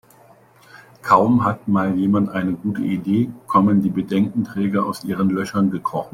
Kaum hat mal jemand eine gute Idee, kommen die Bedenkenträger aus ihren Löchern gekrochen.